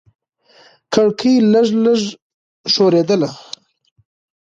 کړکۍ لږه لږه ښورېدله.